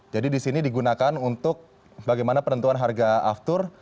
jadi di sini digunakan untuk bagaimana penentuan harga aftur